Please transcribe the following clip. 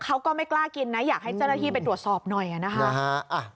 เขาก็ไม่กล้ากินนะอยากให้เจ้าหน้าที่ไปตรวจสอบหน่อยนะคะ